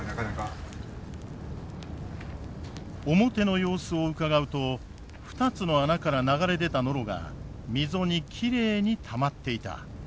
表の様子をうかがうと２つの穴から流れ出たノロが溝にきれいにたまっていた。